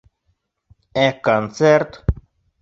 Ә концерт?